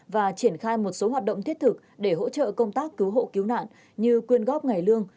và triển khai một số hoạt động thiết thực để hỗ trợ công tác cứu hộ cứu nạn như quyên góp ngày lương